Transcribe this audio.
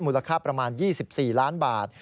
มูลค่าประมาณ๒๔ล้านบาท